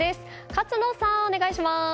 勝野さん、お願いします。